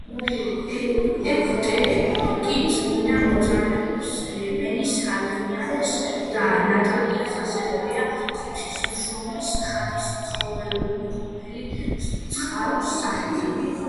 ეგვტერები კი წმიდა მოწამენის ადრიანეს და ნატალიას, ასევეა ღვთისმშობლის ხატის ცხოველმყოფელი წყაროს სახელზე.